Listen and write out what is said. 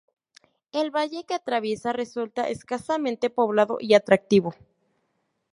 El valle que atraviesa resulta escasamente poblado y atractivo.